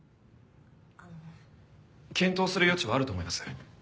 あの。検討する余地はあると思います。